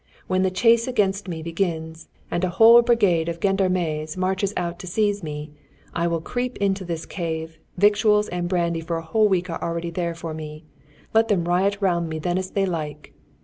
When the chase against me begins, and a whole brigade of gendarmes marches out to seize me, I will creep into this cave; victuals and brandy for a whole week are already there for me; let them riot round me then as they like."